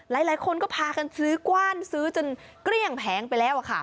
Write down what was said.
หลายคนก็พากันซื้อกว้านซื้อจนเกลี้ยงแผงไปแล้ว